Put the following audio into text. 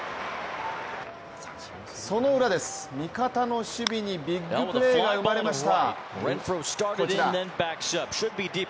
その裏です、味方の守備にビッグプレーが生まれました。